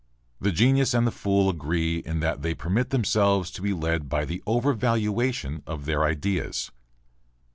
The genius and the fool agree in that they permit themselves to be led by the "overvaluation" of their ideas.